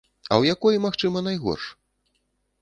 А ў якой, магчыма, найгорш?